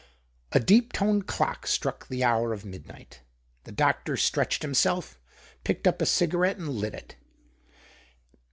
A deep toned clock struck the hour of midnight. The doctor stretched himself, picked up a cigarette, and lit it.